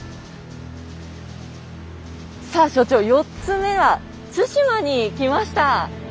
さあ所長４つ目は対馬に来ました。